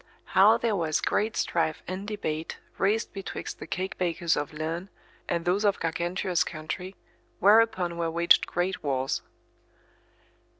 How there was great strife and debate raised betwixt the cake bakers of Lerne, and those of Gargantua's country, whereupon were waged great wars.